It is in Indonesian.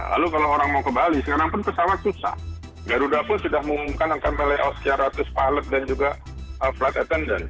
lalu kalau orang mau ke bali sekarang pun pesawat susah garuda pun sudah mengumumkan akan play out sekian ratus pilot dan juga flight attendant